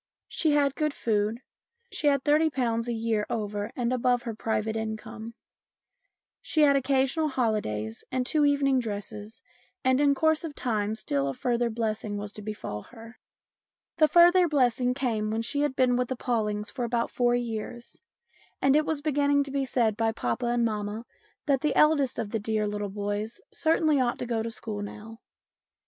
She had good food, she had 30 a year over and above her private income, she had occasional holidays and two evening dresses, and in course of time a still further bless ing was to befall her. 226 STORIES IN GREY The further blessing came when she had been with the Pawlings for about four years, and it was beginning to be said by papa and mamma that the eldest of the dear little boys certainly ought to go to school now.